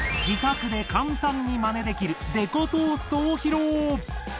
自宅で簡単にマネできるデコトーストを披露。